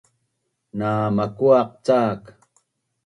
Na makuaqa cak?